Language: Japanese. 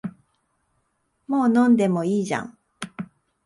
もう飲んでもいいじゃん